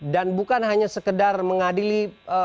dan bukan hanya sekedar mengadili